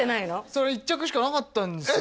それ１着しかなかったんですよ